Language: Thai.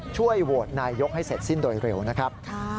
ช่วยโหวตนายกให้เสร็จสิ้นโดยเร็วนะครับ